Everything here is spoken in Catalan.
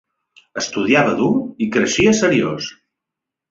Estudiava dur i creixia seriós.